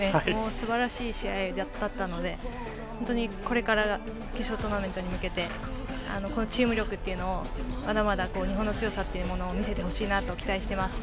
すばらしい試合だったので本当にこれから決勝トーナメントに向けてこのチーム力というのをまだまだ日本の強さを見せてほしいなと期待しています。